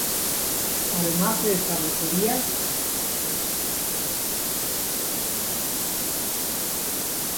Además se establecía la incautación de los bienes del ajusticiado.